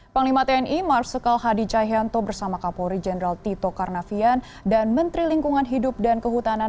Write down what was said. panglima tni marsikal hadi cahyanto bersama kapolri jenderal tito karnavian dan menteri lingkungan hidup dan kehutanan